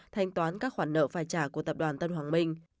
thanh toán các khoản nợ phải trả của tập đoàn tân hoàng minh